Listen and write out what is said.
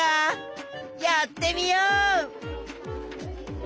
やってみよう！